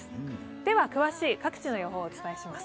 では、詳しい各地の予報をお伝えします。